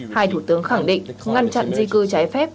hai thủ tướng khẳng định ngăn chặn di cư trái phép